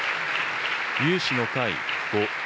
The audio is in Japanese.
有志の会５。